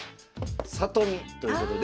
里見ということで。